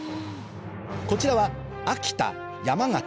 こちらは秋田山形